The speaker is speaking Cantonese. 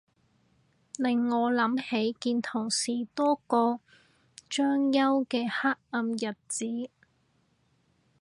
令我諗起見同事多過張牀嘅黑暗日子